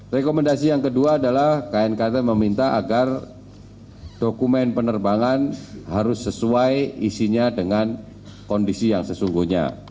rekomendasi yang kedua adalah knkt meminta agar dokumen penerbangan harus sesuai isinya dengan kondisi yang sesungguhnya